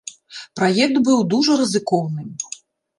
Праект быў дужа рызыкоўным.